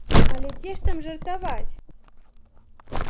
Але дзе там жартаваць!